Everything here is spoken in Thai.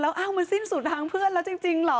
อ้าวมันสิ้นสุดทางเพื่อนแล้วจริงเหรอ